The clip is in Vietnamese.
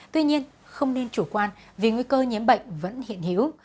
tuy nhiên không nên chủ quan vì nguy cơ nhiễm bệnh vẫn hiện hữu